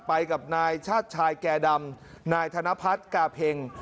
ไปกับนายชาติชายแก่ดำนายธนพัฒน์กาเพ็ง